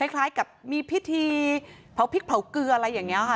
คล้ายกับมีพิธีเผาพริกเผาเกลืออะไรอย่างนี้ค่ะ